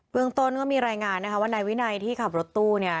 เมืองต้นก็มีรายงานนะคะว่านายวินัยที่ขับรถตู้เนี่ย